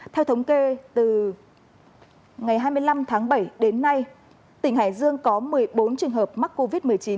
theo thống kê từ ngày hai mươi năm tháng bảy đến nay tỉnh hải dương có một mươi bốn trường hợp mắc covid